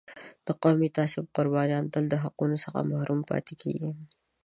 د قومي تعصب قربانیان تل د حقونو څخه محروم پاتې کېږي.